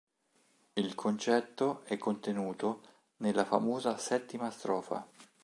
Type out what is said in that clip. Il concetto è contenuto nella famosa settima strofa.